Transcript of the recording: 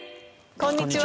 こんにちは。